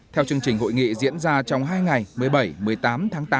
theo chương trình hội nghị diễn ra trong hai ngày một mươi bảy một mươi tám tháng tám